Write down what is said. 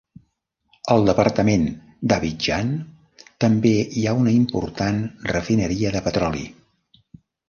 Al departament d'Abidjan també hi ha una important refineria de petroli.